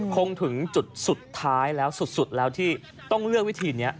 คงถึงจุดสุดท้ายแล้วสุดแล้วที่ต้องเลือกวิธีนี้